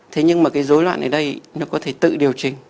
thế nhưng mà cái dối loạn ở đây nó có thể tự điều chỉnh